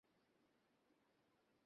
আমি এটা তোদের ট্যাঙ্কের নিচে বসাবো।